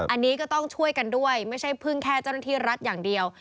อันนี้ก็ต้องช่วยกันด้วยไม่ใช่พึ่งแค่เจ้าหน้าที่รัฐอย่างเดียว